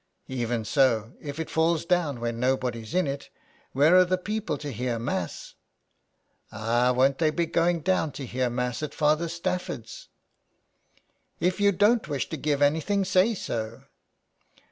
'^" Even so, if it falls down when nobody's in it where are the people to hear Mass ?"" Ah, won't they be going down to hear Mass at Father Stafford's?" " If you don't wish to give anything say so."